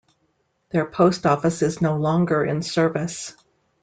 Their post office is no longer in service.